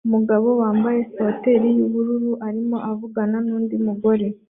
Umugore wambaye swater yubururu arimo avugana nundi mugore